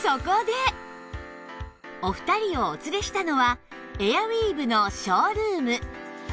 お二人をお連れしたのはエアウィーヴのショールーム